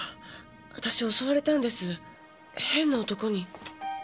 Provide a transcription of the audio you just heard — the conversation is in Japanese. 私襲われたんです変な男に。